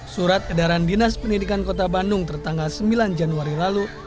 surat edaran dinas pendidikan kota bandung tertanggal sembilan januari lalu